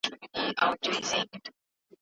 موږ بايد د پوهي او شعور په مرسته مخکې لاړ سو.